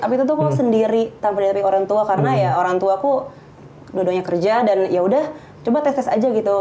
tapi tentu aku sendiri tanpa dihadapi orang tua karena ya orang tuaku dua duanya kerja dan yaudah coba tes tes aja gitu